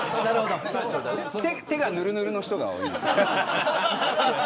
手がぬるぬるの人が多いんです。